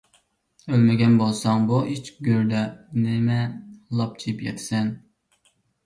ئۆلمىگەن بولساڭ، بۇ ئىچ گۆردە نېمە لاپچىيىپ ياتىسەن؟